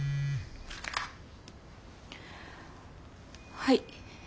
はい。